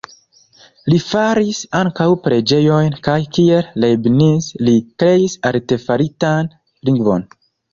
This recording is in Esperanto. Li faris ankaŭ preĝejojn kaj kiel Leibniz li kreis artefaritan lingvon.